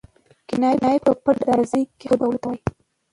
کنایه په پټ انداز کښي خبرو کولو ته وايي.